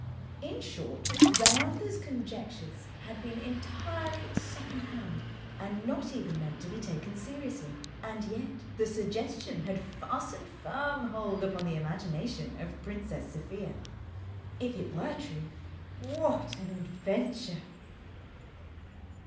In short, Diantha's conjectures had been entirely second hand, and not even meant to be taken seriously. And yet the suggestion had fastened firm hold upon the imagination of the Princess Sofia. If it were true ... what an adventure!